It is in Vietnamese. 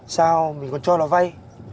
sao mình còn cho nó vay